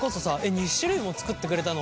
２種類も作ってくれたの？